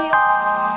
sampai jumpa lagi